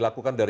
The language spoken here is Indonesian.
ini sudah sudah